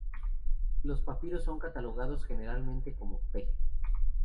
Los papiros son catalogados generalmente como "P".